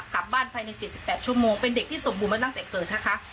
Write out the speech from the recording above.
ภายใน๔๘ชั่วโมงเป็นเด็กที่สมบูรณมาตั้งแต่เกิดนะคะ